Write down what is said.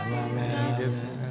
いいですよ